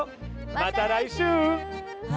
また来週！